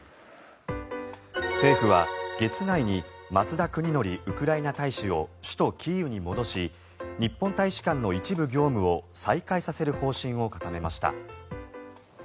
政府は月内に松田邦紀ウクライナ大使を首都キーウに戻し日本大使館の一部業務を再開させる方針を固めました。